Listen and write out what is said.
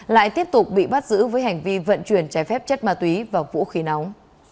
lại tiếp tục bị bắt giữ với hành vi vận chuyển trái phép chất ma túy và vũ khí nóng